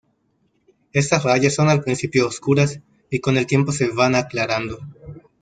Estas rayas son al principio oscuras y con el tiempo se van aclarando.